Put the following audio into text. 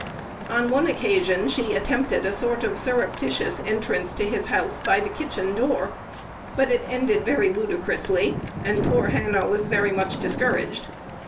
On one occasion she attempted a sort of surreptitious entrance to his house by the kitchen door; but it ended very ludicrously, and poor Hannah was very much discouraged.